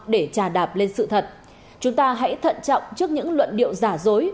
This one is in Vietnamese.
để trà đạp lên sự thật chúng ta hãy thận trọng trước những luận điệu giả dối